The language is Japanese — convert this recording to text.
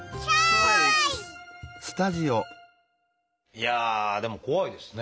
いやあでも怖いですね。